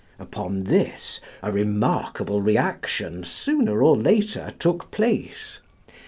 Upon this a remarkable reaction sooner or later took place.